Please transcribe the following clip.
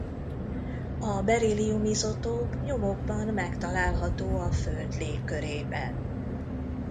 A Be izotóp nyomokban megtalálható a Föld légkörében.